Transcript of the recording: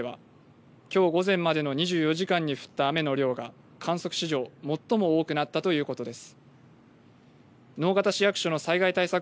また彦山川の上流にある英彦山ではきょう午前までの２４時間に降った雨の量が観測史上、最も多くなったということです。